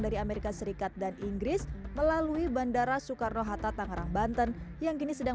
dari amerika serikat dan inggris melalui bandara soekarno hatta tangerang banten yang kini sedang